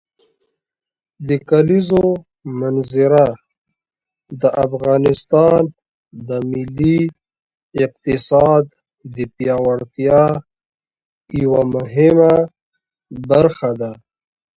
د کلیزو منظره د افغانستان د ملي اقتصاد د پیاوړتیا یوه مهمه برخه ده.